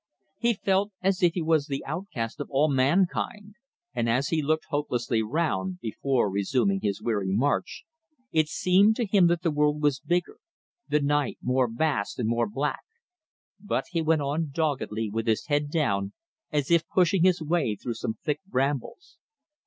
He felt as if he was the outcast of all mankind, and as he looked hopelessly round, before resuming his weary march, it seemed to him that the world was bigger, the night more vast and more black; but he went on doggedly with his head down as if pushing his way through some thick brambles.